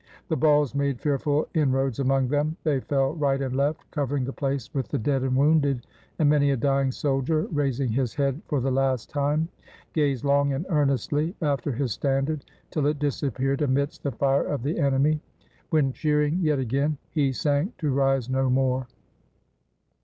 The balls made fearful in roads among them — they fell right and left, covering the place with the dead and wounded ; and many a dying soldier, raising his head for the last time, gazed long and earnestly after his standard, till it disappeared amidst the fire of the enemy — when, cheering yet again, he sank to rise no more.